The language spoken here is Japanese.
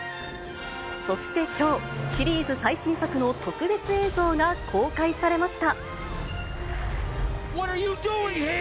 そしてきょう、シリーズ最新作の特別映像が公開されました。